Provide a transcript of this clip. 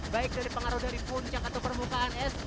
baik dari pengaruh dari puncak atau permukaan es